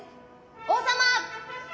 王様！